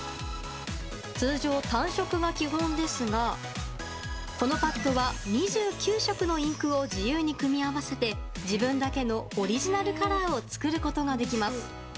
通常、単色が基本ですがこのパッドは、２９色のインクを自由に組み合わせて自分だけのオリジナルカラーを作ることができます。